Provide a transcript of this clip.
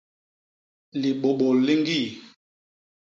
Libôbôl li ñgii.